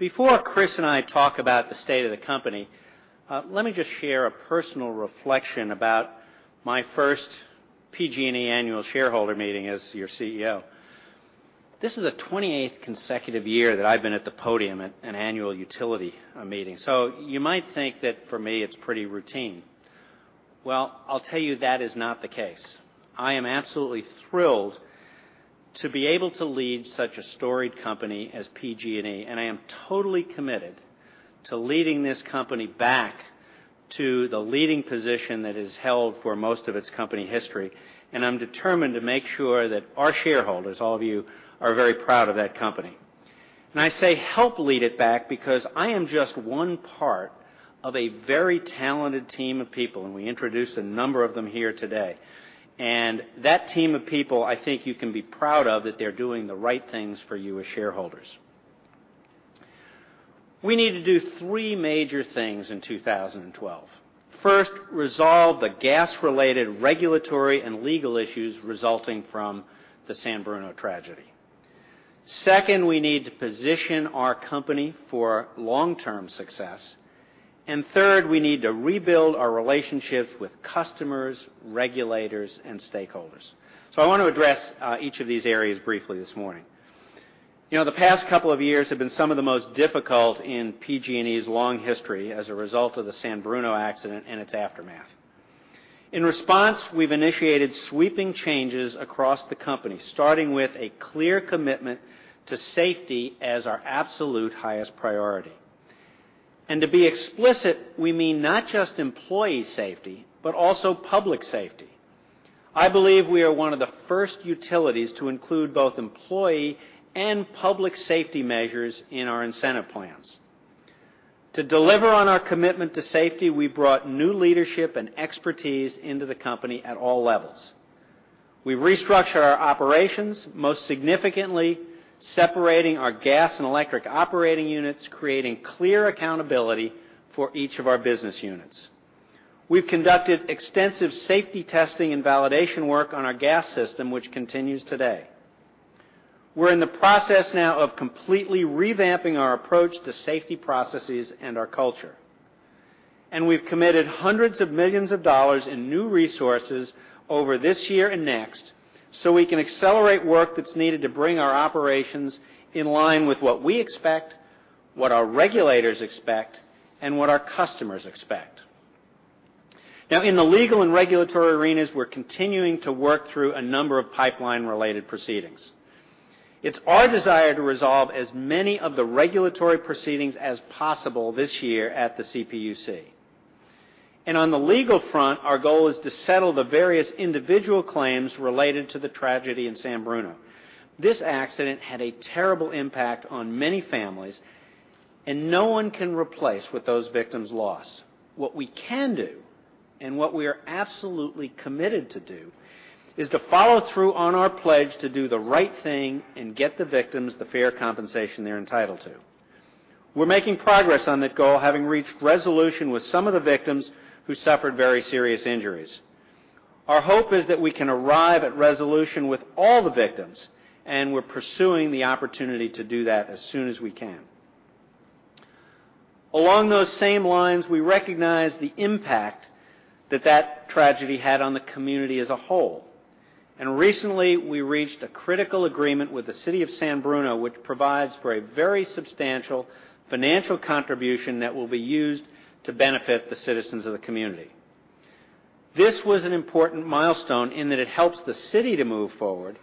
Before Chris and I talk about the state of the company, let me just share a personal reflection about my first PG&E annual shareholder meeting as your CEO. This is the 28th consecutive year that I've been at the podium at an annual utility meeting. You might think that for me it's pretty routine. Well, I'll tell you, that is not the case. I am absolutely thrilled to be able to lead such a storied company as PG&E, I am totally committed to leading this company back to the leading position that it has held for most of its company history. I'm determined to make sure that our shareholders, all of you, are very proud of that company. I say help lead it back because I am just one part of a very talented team of people, we introduce a number of them here today. That team of people I think you can be proud of, that they're doing the right things for you as shareholders. We need to do three major things in 2012. First, resolve the gas-related regulatory and legal issues resulting from the San Bruno tragedy. Second, we need to position our company for long-term success. Third, we need to rebuild our relationships with customers, regulators, and stakeholders. I want to address each of these areas briefly this morning. The past couple of years have been some of the most difficult in PG&E's long history as a result of the San Bruno accident and its aftermath. In response, we've initiated sweeping changes across the company, starting with a clear commitment to safety as our absolute highest priority. To be explicit, we mean not just employee safety, but also public safety. I believe we are one of the first utilities to include both employee and public safety measures in our incentive plans. To deliver on our commitment to safety, we've brought new leadership and expertise into the company at all levels. We've restructured our operations, most significantly separating our gas and electric operating units, creating clear accountability for each of our business units. We've conducted extensive safety testing and validation work on our gas system, which continues today. We're in the process now of completely revamping our approach to safety processes and our culture. We've committed $hundreds of millions in new resources over this year and next so we can accelerate work that's needed to bring our operations in line with what we expect, what our regulators expect, and what our customers expect. Now in the legal and regulatory arenas, we're continuing to work through a number of pipeline-related proceedings. It's our desire to resolve as many of the regulatory proceedings as possible this year at the CPUC. On the legal front, our goal is to settle the various individual claims related to the tragedy in San Bruno. This accident had a terrible impact on many families, no one can replace what those victims lost. What we can do, and what we are absolutely committed to do, is to follow through on our pledge to do the right thing and get the victims the fair compensation they're entitled to. We're making progress on that goal, having reached resolution with some of the victims who suffered very serious injuries. Our hope is that we can arrive at resolution with all the victims, and we're pursuing the opportunity to do that as soon as we can. Along those same lines, we recognize the impact that that tragedy had on the community as a whole. Recently, we reached a critical agreement with the City of San Bruno, which provides for a very substantial financial contribution that will be used to benefit the citizens of the community. This was an important milestone in that it helps the city to move forward,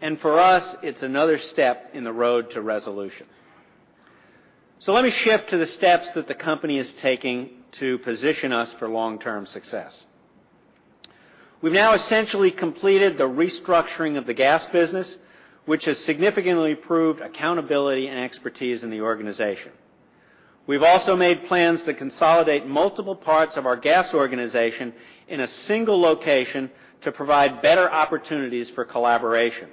and for us, it's another step in the road to resolution. Let me shift to the steps that the company is taking to position us for long-term success. We've now essentially completed the restructuring of the gas business, which has significantly improved accountability and expertise in the organization. We've also made plans to consolidate multiple parts of our gas organization in a single location to provide better opportunities for collaboration.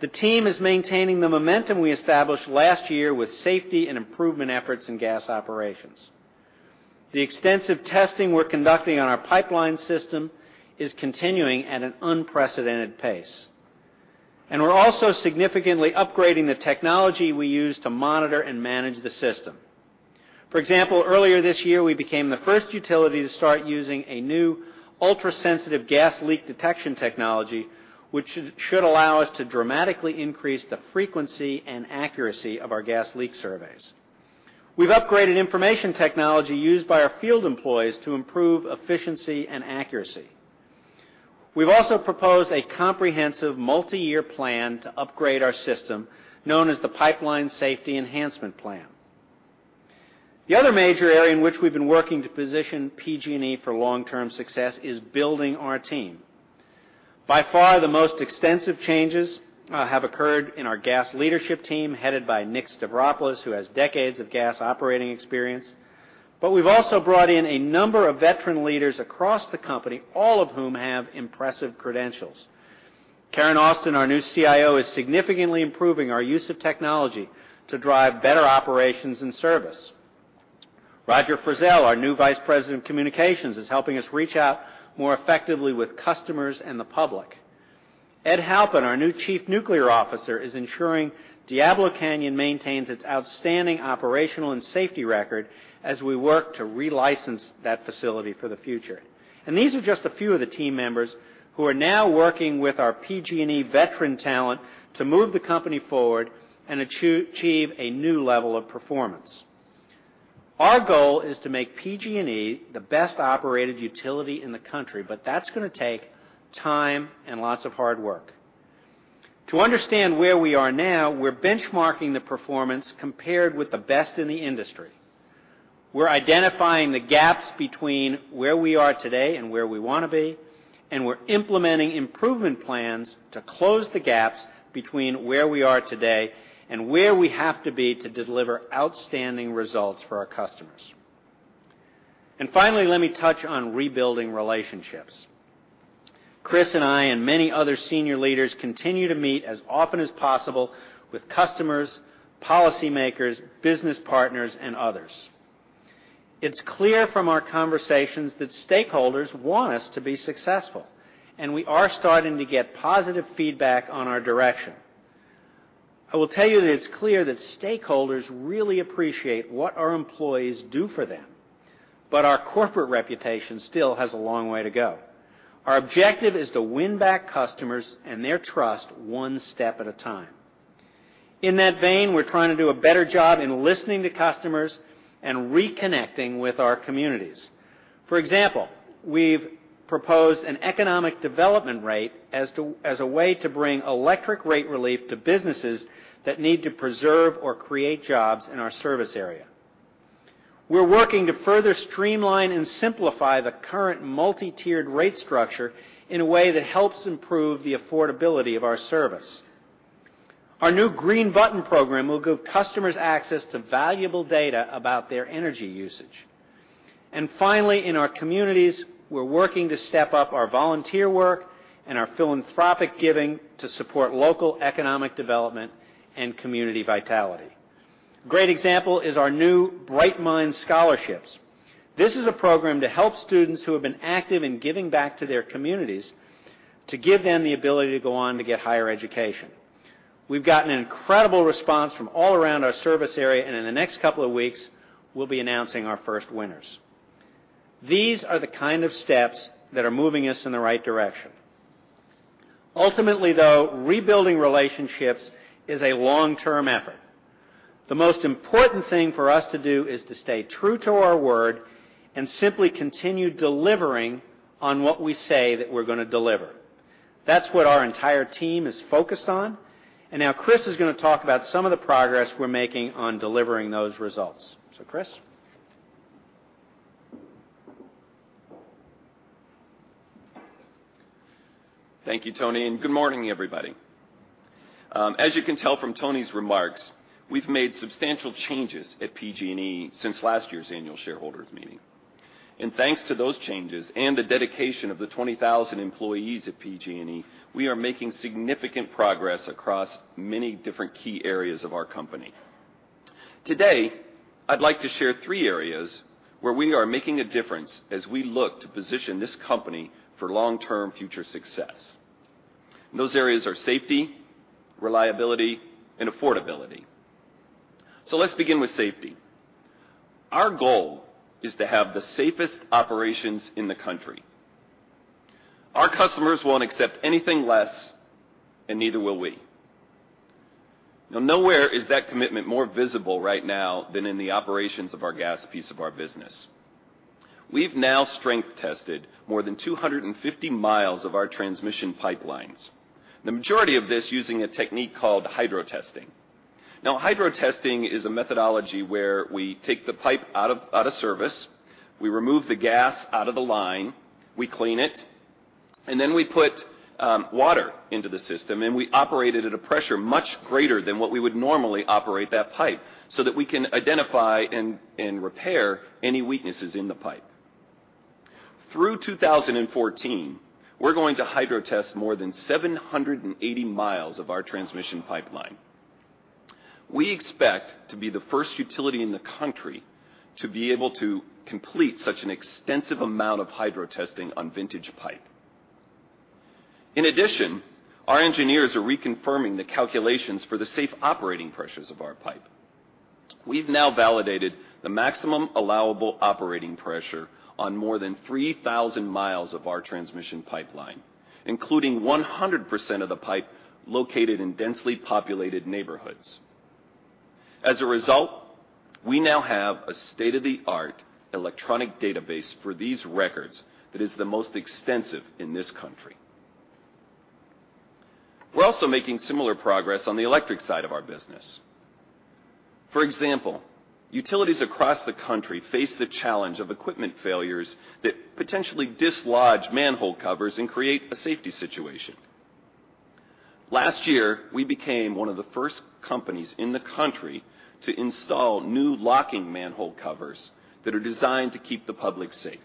The team is maintaining the momentum we established last year with safety and improvement efforts in gas operations. The extensive testing we're conducting on our pipeline system is continuing at an unprecedented pace. We're also significantly upgrading the technology we use to monitor and manage the system. For example, earlier this year, we became the first utility to start using a new ultra-sensitive gas leak detection technology, which should allow us to dramatically increase the frequency and accuracy of our gas leak surveys. We've upgraded information technology used by our field employees to improve efficiency and accuracy. We've also proposed a comprehensive multi-year plan to upgrade our system, known as the Pipeline Safety Enhancement Plan. The other major area in which we've been working to position PG&E for long-term success is building our team. By far, the most extensive changes have occurred in our gas leadership team, headed by Nick Stavropoulos, who has decades of gas operating experience. We've also brought in a number of veteran leaders across the company, all of whom have impressive credentials. Karen Austin, our new CIO, is significantly improving our use of technology to drive better operations and service. Roger Frizzell, our new Vice President of Communications, is helping us reach out more effectively with customers and the public. Ed Halpin, our new Chief Nuclear Officer, is ensuring Diablo Canyon maintains its outstanding operational and safety record as we work to relicense that facility for the future. These are just a few of the team members who are now working with our PG&E veteran talent to move the company forward and achieve a new level of performance. Our goal is to make PG&E the best-operated utility in the country, that's going to take time and lots of hard work. To understand where we are now, we're benchmarking the performance compared with the best in the industry. We're identifying the gaps between where we are today and where we want to be, we're implementing improvement plans to close the gaps between where we are today and where we have to be to deliver outstanding results for our customers. Finally, let me touch on rebuilding relationships. Chris and I, and many other senior leaders, continue to meet as often as possible with customers, policymakers, business partners, and others. It's clear from our conversations that stakeholders want us to be successful. We are starting to get positive feedback on our direction. I will tell you that it's clear that stakeholders really appreciate what our employees do for them, but our corporate reputation still has a long way to go. Our objective is to win back customers and their trust one step at a time. In that vein, we're trying to do a better job in listening to customers and reconnecting with our communities. For example, we've proposed an economic development rate as a way to bring electric rate relief to businesses that need to preserve or create jobs in our service area. We're working to further streamline and simplify the current multi-tiered rate structure in a way that helps improve the affordability of our service. Our new Green Button program will give customers access to valuable data about their energy usage. Finally, in our communities, we're working to step up our volunteer work and our philanthropic giving to support local economic development and community vitality. A great example is our new Bright Minds scholarships. This is a program to help students who have been active in giving back to their communities to give them the ability to go on to get higher education. We've gotten an incredible response from all around our service area, and in the next couple of weeks, we'll be announcing our first winners. These are the kind of steps that are moving us in the right direction. Ultimately, though, rebuilding relationships is a long-term effort. The most important thing for us to do is to stay true to our word and simply continue delivering on what we say that we're going to deliver. That's what our entire team is focused on. Now Chris is going to talk about some of the progress we're making on delivering those results. Chris. Thank you, Tony. Good morning, everybody. As you can tell from Tony's remarks, we've made substantial changes at PG&E since last year's annual shareholders' meeting. Thanks to those changes and the dedication of the 20,000 employees at PG&E, we are making significant progress across many different key areas of our company. Today, I'd like to share three areas where we are making a difference as we look to position this company for long-term future success. Those areas are safety, reliability, and affordability. Let's begin with safety. Our goal is to have the safest operations in the country. Our customers won't accept anything less, and neither will we. Now, nowhere is that commitment more visible right now than in the operations of our gas piece of our business. We've now strength-tested more than 250 miles of our transmission pipelines, the majority of this using a technique called hydro testing. hydro testing is a methodology where we take the pipe out of service, we remove the gas out of the line, we clean it, and then we put water into the system, and we operate it at a pressure much greater than what we would normally operate that pipe so that we can identify and repair any weaknesses in the pipe. Through 2014, we're going to hydro test more than 780 miles of our transmission pipeline. We expect to be the first utility in the country to be able to complete such an extensive amount of hydro testing on vintage pipe. In addition, our engineers are reconfirming the calculations for the safe operating pressures of our pipe. We've now validated the maximum allowable operating pressure on more than 3,000 miles of our transmission pipeline, including 100% of the pipe located in densely populated neighborhoods. As a result, we now have a state-of-the-art electronic database for these records that is the most extensive in this country. We're also making similar progress on the electric side of our business. For example, utilities across the country face the challenge of equipment failures that potentially dislodge manhole covers and create a safety situation. Last year, we became one of the first companies in the country to install new locking manhole covers that are designed to keep the public safe.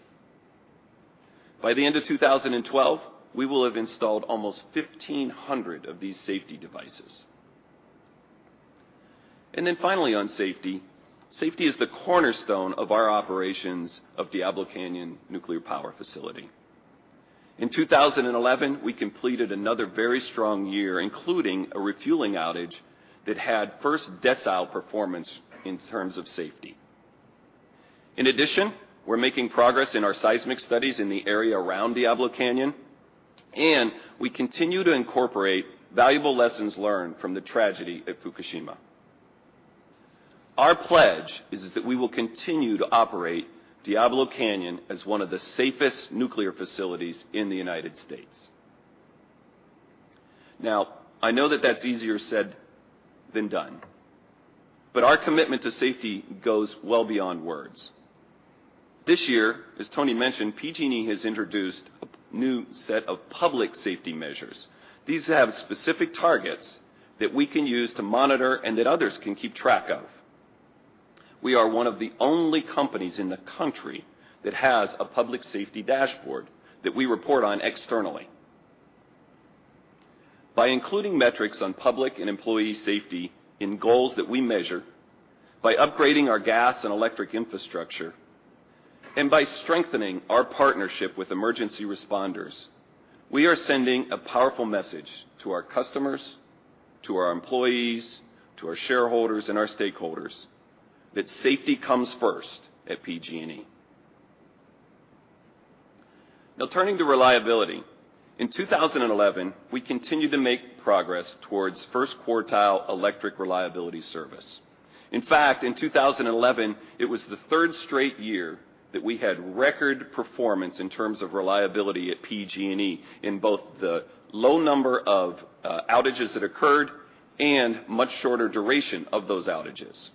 By the end of 2012, we will have installed almost 1,500 of these safety devices. Finally on safety is the cornerstone of our operations of Diablo Canyon Nuclear Power Facility. In 2011, we completed another very strong year, including a refueling outage that had first decile performance in terms of safety. In addition, we're making progress in our seismic studies in the area around Diablo Canyon, and we continue to incorporate valuable lessons learned from the tragedy at Fukushima. Our pledge is that we will continue to operate Diablo Canyon as one of the safest nuclear facilities in the U.S. I know that that's easier said than done, but our commitment to safety goes well beyond words. This year, as Tony mentioned, PG&E has introduced a new set of public safety measures. These have specific targets that we can use to monitor and that others can keep track of. We are one of the only companies in the country that has a public safety dashboard that we report on externally. By including metrics on public and employee safety in goals that we measure, by upgrading our gas and electric infrastructure, and by strengthening our partnership with emergency responders, we are sending a powerful message to our customers, to our employees, to our shareholders, and our stakeholders that safety comes first at PG&E. Turning to reliability. In 2011, we continued to make progress towards first quartile electric reliability service. In fact, in 2011, it was the third straight year that we had record performance in terms of reliability at PG&E in both the low number of outages that occurred and much shorter duration of those outages.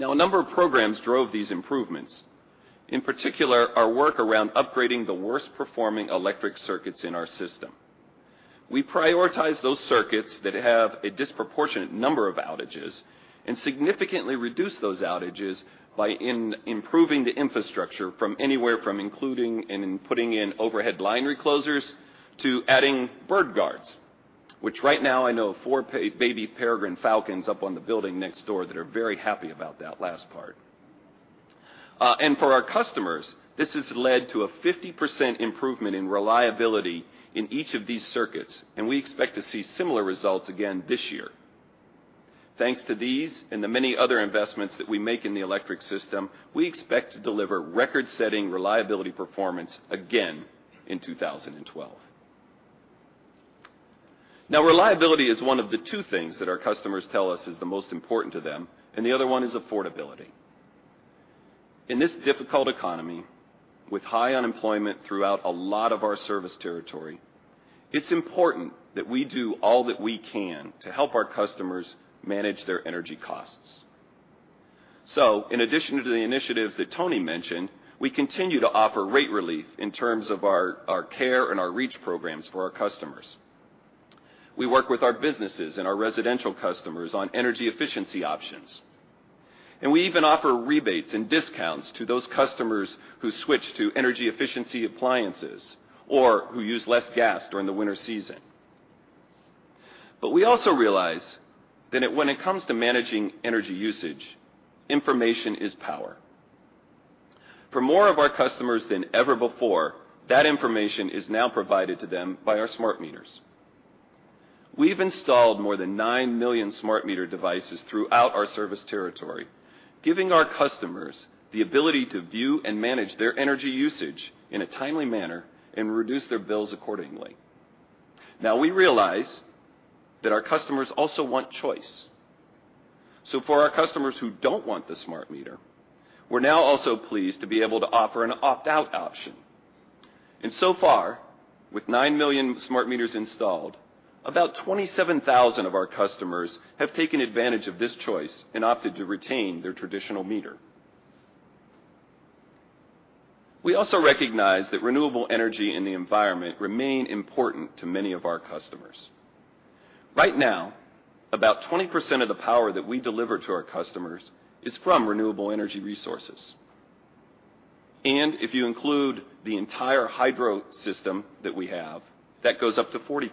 A number of programs drove these improvements, in particular, our work around upgrading the worst-performing electric circuits in our system. We prioritize those circuits that have a disproportionate number of outages and significantly reduce those outages by improving the infrastructure from anywhere from including and in putting in overhead line reclosers to adding bird guards, which right now I know of four baby peregrine falcons up on the building next door that are very happy about that last part. For our customers, this has led to a 50% improvement in reliability in each of these circuits, and we expect to see similar results again this year. Thanks to these and the many other investments that we make in the electric system, we expect to deliver record-setting reliability performance again in 2012. Reliability is one of the two things that our customers tell us is the most important to them, the other one is affordability. In this difficult economy, with high unemployment throughout a lot of our service territory, it's important that we do all that we can to help our customers manage their energy costs. In addition to the initiatives that Tony mentioned, we continue to offer rate relief in terms of our CARE and our REACH programs for our customers. We work with our businesses and our residential customers on energy efficiency options, and we even offer rebates and discounts to those customers who switch to energy-efficiency appliances or who use less gas during the winter season. We also realize that when it comes to managing energy usage, information is power. For more of our customers than ever before, that information is now provided to them by our smart meters. We've installed more than 9 million smart meter devices throughout our service territory, giving our customers the ability to view and manage their energy usage in a timely manner and reduce their bills accordingly. We realize that our customers also want choice. For our customers who don't want the smart meter, we're now also pleased to be able to offer an opt-out option. So far, with 9 million smart meters installed, about 27,000 of our customers have taken advantage of this choice and opted to retain their traditional meter. We also recognize that renewable energy and the environment remain important to many of our customers. Right now, about 20% of the power that we deliver to our customers is from renewable energy resources. If you include the entire hydro system that we have, that goes up to 40%.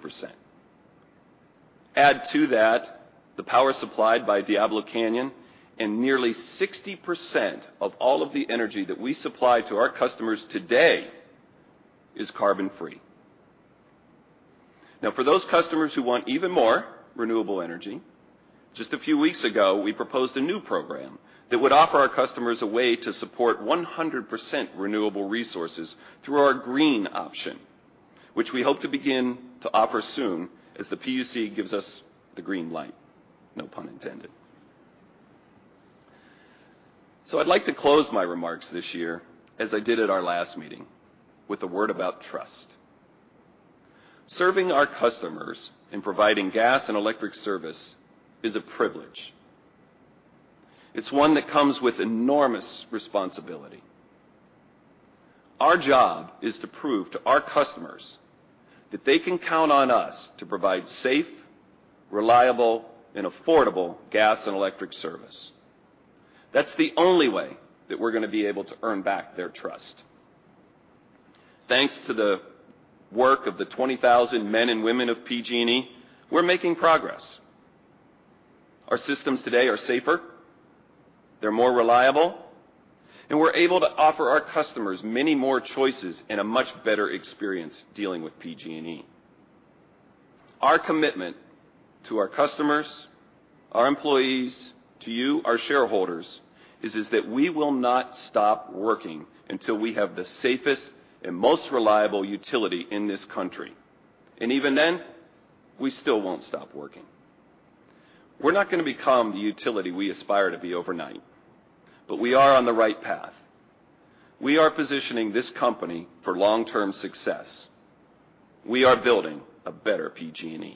Add to that the power supplied by Diablo Canyon, nearly 60% of all of the energy that we supply to our customers today is carbon-free. For those customers who want even more renewable energy, just a few weeks ago, we proposed a new program that would offer our customers a way to support 100% renewable resources through our Green Option, which we hope to begin to offer soon as the PUC gives us the green light, no pun intended. I'd like to close my remarks this year, as I did at our last meeting, with a word about trust. Serving our customers and providing gas and electric service is a privilege. It's one that comes with enormous responsibility. Our job is to prove to our customers that they can count on us to provide safe, reliable, and affordable gas and electric service. That's the only way that we're going to be able to earn back their trust. Thanks to the work of the 20,000 men and women of PG&E, we're making progress. Our systems today are safer, they're more reliable, and we're able to offer our customers many more choices and a much better experience dealing with PG&E. Our commitment to our customers, our employees, to you, our shareholders, is that we will not stop working until we have the safest and most reliable utility in this country. Even then, we still won't stop working. We're not going to become the utility we aspire to be overnight. We are on the right path. We are positioning this company for long-term success. We are building a better PG&E.